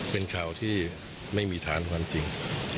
เป็นข่าวที่ไม่มีฐานความจริง